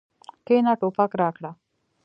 کېنه ټوپک راکړه.